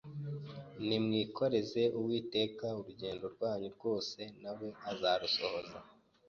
Nimwikoreze uwiteka urugendo rwanyu rwose na we azarusohoza